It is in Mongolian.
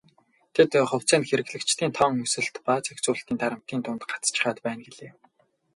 Тэд "хувьцаа нь хэрэглэгчдийн тоон өсөлт ба зохицуулалтын дарамтын дунд гацчихаад байна" гэлээ.